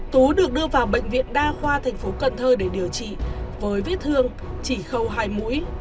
tú được đưa vào bệnh viện đa khoa thành phố cần thơ để điều trị với vết thương chỉ khâu hai mũi